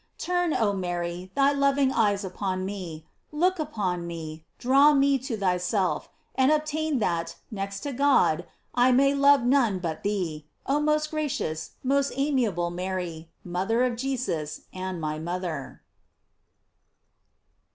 Turn, oh Mary, thy loving eyes upon me, look upon me, draw me to thyself, and obtain that, next to God, I may love none but thee, oh most gracious, most amiable Mary, mother of Jesus, and my mother.